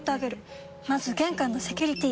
まず玄関のセキュリティ！